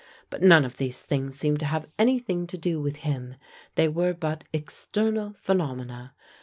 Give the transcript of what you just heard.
But none of these things seemed to have anything to do with him; they were but external phenomena.